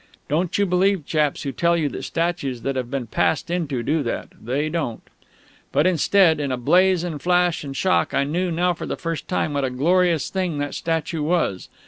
Don't you believe chaps who tell you that statues that have been passed into do that; they don't. But instead, in a blaze and flash and shock, I knew now for the first time what a glorious thing that statue was!